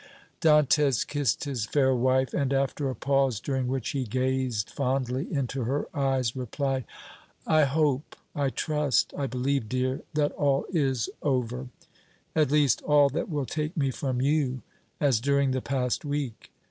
Dantès kissed his fair wife, and, after a pause, during which he gazed fondly into her eyes, replied: "I hope, I trust, I believe, dear, that all is over at least all that will take me from you, as during the past week.